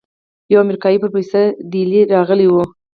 يو امريکايي پروفيسور دېلې رغلى و.